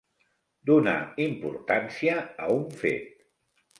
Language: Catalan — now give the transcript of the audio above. Donar importància a un fet.